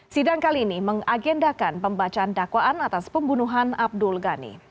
sidang kali ini mengagendakan pembacaan dakwaan atas pembunuhan abdul ghani